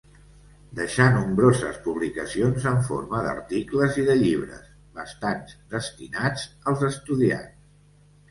Deixà nombroses publicacions en forma d'articles i de llibres, bastants destinats als estudiants.